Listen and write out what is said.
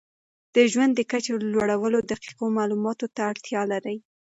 د ژوند د کچې لوړول دقیقو معلوماتو ته اړتیا لري.